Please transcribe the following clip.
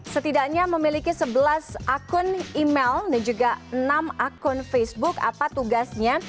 setidaknya memiliki sebelas akun email dan juga enam akun facebook apa tugasnya